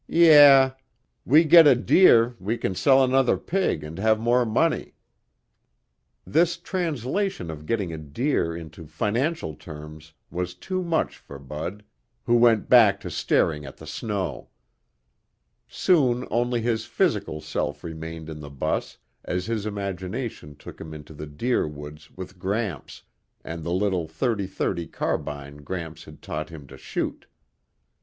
"Yeah. We get a deer we can sell another pig and have more money." This translation of getting a deer into financial terms was too much for Bud, who went back to staring at the snow. Soon only his physical self remained in the bus as his imagination took him into the deer woods with Gramps and the little thirty thirty carbine Gramps had taught him to shoot.